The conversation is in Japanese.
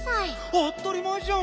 あったりまえじゃん。